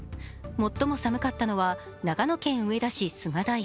最も寒かったのは長野県上田市菅平。